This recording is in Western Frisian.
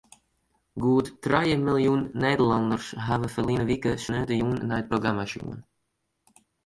Goed trije miljoen Nederlanners hawwe ferline wike sneontejûn nei it programma sjoen.